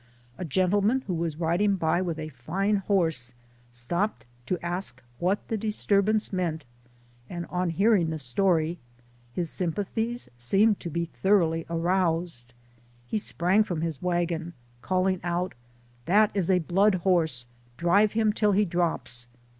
A gen tleman who was riding by with a fine horse, stop ped to ask what the disturbance meant ; and on hearing the story, his sympathies seemed to be thoroughly aroused ; he sprang from his w r agon, calling out, " That is a blood horse, drive him till he drops."